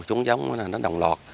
chúng giống như đồng lò